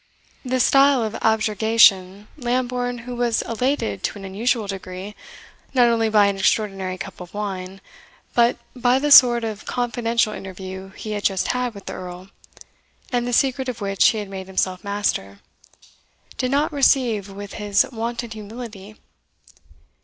This style of objurgation Lambourne, who was elated to an unusual degree, not only by an extraordinary cup of wine, but by the sort of confidential interview he had just had with the Earl, and the secret of which he had made himself master, did not receive with his wonted humility.